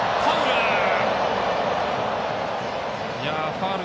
ファウル！